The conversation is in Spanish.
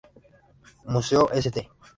Museo St.